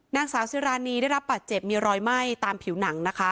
นางสาวซิรานีได้รับบาดเจ็บมีรอยไหม้ตามผิวหนังนะคะ